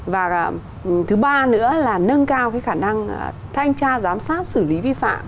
và thứ ba nữa là nâng cao cái khả năng thanh tra giám sát xử lý vi phạm